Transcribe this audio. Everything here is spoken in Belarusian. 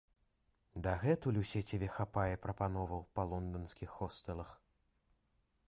Дагэтуль у сеціве хапае прапановаў па лонданскіх хостэлах.